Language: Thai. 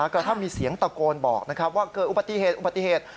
ก็ถ้ามีเสียงตะโกนบอกว่าเกิดอุปติเหตุอุปติเหตุ